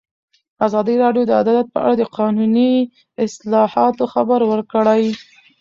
ازادي راډیو د عدالت په اړه د قانوني اصلاحاتو خبر ورکړی.